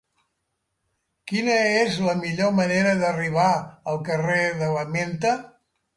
Quina és la millor manera d'arribar al carrer de la Menta?